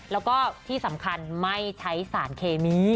แล้วก็ที่สำคัญไม่ใช้สารเคมี